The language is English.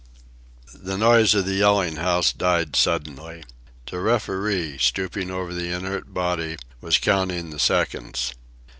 The noise of the yelling house died suddenly. The referee, stooping over the inert body, was counting the seconds.